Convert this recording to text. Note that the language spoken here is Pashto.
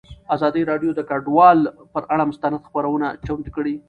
ازادي راډیو د کډوال پر اړه مستند خپرونه چمتو کړې.